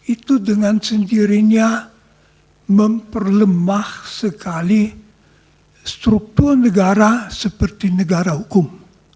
itu dengan sendirinya memperlemah sekali struktur negara seperti negara hukum